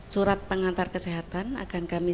surat pengantar kesehatan akan kami